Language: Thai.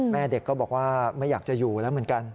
แม่เด็กก็บอกว่าไม่อยากจะอยู่แล้วเหมือนกัน